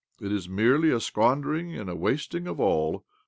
It is merely a squandering and a wasting of his all.